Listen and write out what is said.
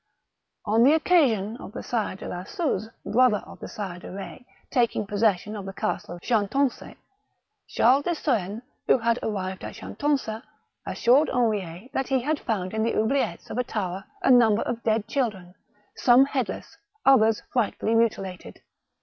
On the occasion of the Sire de la Suze, brother of the Sire de Retz, taking possession of the castle of Chantonc6, Charles de Soenne, who had arrived at Chantonc6, assured Henriet that he had found in the oubUettes of a tower a number of dead children, some headless, others frightfully mutilated.